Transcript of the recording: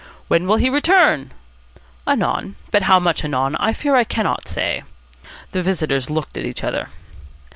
"When will he return?" "Anon. But how much anon I fear I cannot say." The visitors looked at each other.